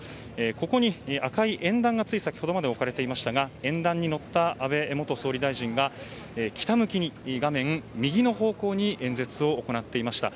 ここに赤い演壇がつい先ほどまで置かれていましたが演台に乗った安倍総理大臣が北向きに画面右の方向に演説を行っていました。